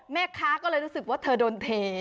แม่ค้าก็เลยรู้สึกว่าเธอโดนเท